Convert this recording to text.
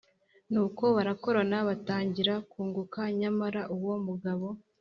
Nuko barakorana batangira kunguka. Nyamara uwo mugabo